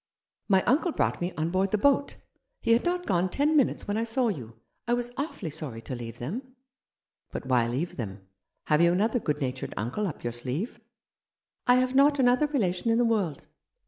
My uncle brought me on board the boat. He had not gone ten minutes when I saw you. I was awfully sorry to leave them." " But why leave them ? Have you another good natured uncle up your sleeve ?"" I have not another relation in the world."